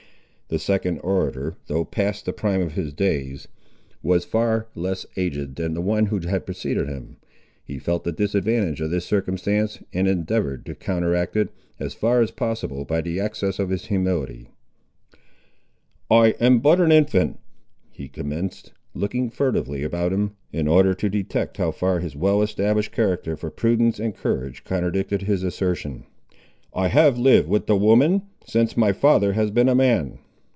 The second orator, though past the prime of his days, was far less aged than the one who had preceded him. He felt the disadvantage of this circumstance, and endeavoured to counteract it, as far as possible, by the excess of his humility. "I am but an infant," he commenced, looking furtively around him, in order to detect how far his well established character for prudence and courage contradicted his assertion. "I have lived with the women, since my father has been a man.